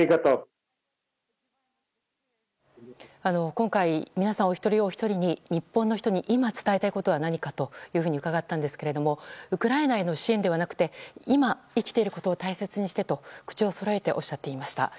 今回、皆さんお一人お一人に日本の人に今、伝えたいことは何かと伺ったんですがウクライナへの支援ではなくて今、生きていることを大切にしてと口をそろえておっしゃっていました。